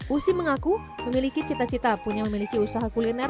usi mengaku memiliki cita cita punya memiliki usaha kuliner